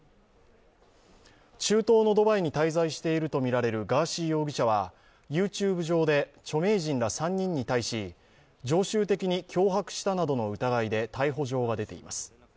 中東のドバイに滞在しているとみられるガーシー容疑者はＹｏｕＴｕｂｅ上で著名人ら３人に対し常習的に脅迫したなどの疑いで逮捕状が出ています。